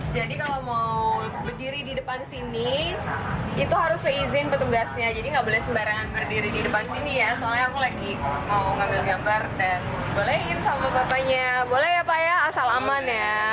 jalan jalan jalan